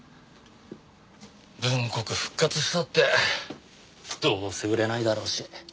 『文国』復活したってどうせ売れないだろうし。